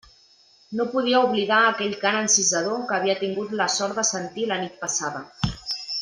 No podia oblidar aquell cant encisador que havia tingut la sort de sentir la nit passada.